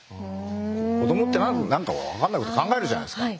子どもって何か分かんないこと考えるじゃないですか。